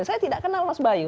saya tidak kenal mas bayu